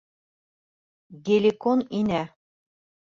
Геликон инә.